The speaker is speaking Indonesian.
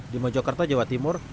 di mojokarta jawa timur